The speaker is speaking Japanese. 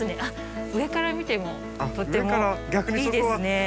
あっ上から見てもとってもいいですね。